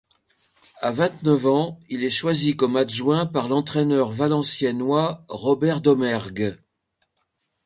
À vingt-neuf ans, il est choisi comme adjoint par l'entraîneur valenciennois Robert Domergue.